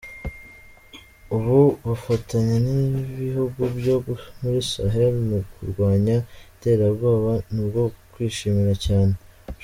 Ubu bufatanye n’ibihugu byo muri Sahel mu kurwanya iterabwoba ni ubwo kwishimira cyane.